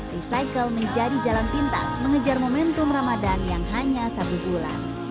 recycle menjadi jalan pintas mengejar momentum ramadan yang hanya satu bulan